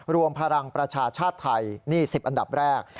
รวมพลังประชาชาติไทยนี่๑๐อันดับแรก